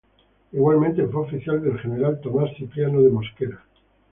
Igualmente, fue oficial del general Tomás Cipriano de Mosquera.